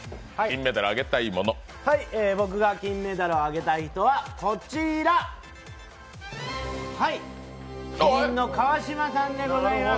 僕が金メダルをあげたい人は麒麟の川島さんでございます。